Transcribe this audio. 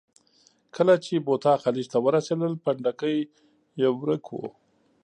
کله چې بوتا خلیج ته ورسېدل، پنډکی یې ورک و.